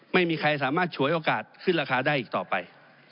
ไม่มีใครสามารถฉวยโอกาสขึ้นราคาได้อีกต่อไป